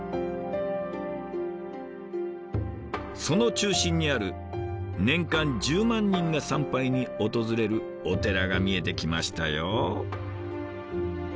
その中心にある年間１０万人が参拝に訪れるお寺が見えてきましたよ。